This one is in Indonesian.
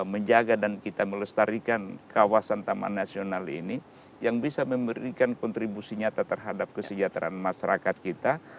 menjaga dan kita melestarikan kawasan taman nasional ini yang bisa memberikan kontribusi nyata terhadap kesejahteraan masyarakat kita